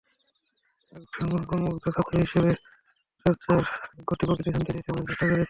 একজন গুণমুগ্ধ ছাত্র হিসেবে তাঁদের চর্চার গতি-প্রকৃতি জানতে চেয়েছি, বুঝতে চেষ্টা করেছি।